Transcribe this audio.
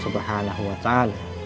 tapi karena allah swt